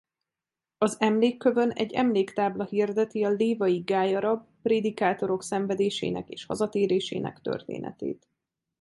Az emlékkövön egy emléktábla hirdeti a lévai gályarab prédikátorok szenvedésének és hazatérésének történetét.